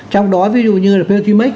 trong đó ví dụ như là peltimax